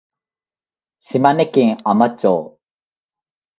島根県海士町